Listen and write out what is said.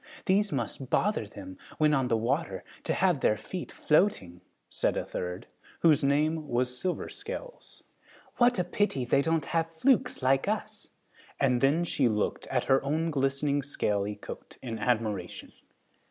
These must bother them, when on the water, to have their feet floating," said a third, whose name was Silver Scales. "What a pity they don't have flukes like us," and then she looked at her own glistening scaly coat in admiration.